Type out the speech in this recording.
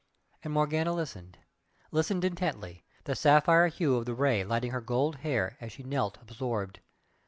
And Morgana listened, listened intently, the sapphire hue of the Ray lighting her gold hair, as she knelt, absorbed.